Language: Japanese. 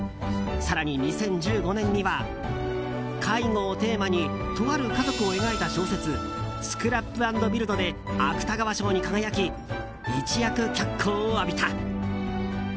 更に２０１５年には介護をテーマにとある家族を描いた小説「スクラップ・アンド・ビルド」で芥川賞に輝き、一躍脚光を浴びた。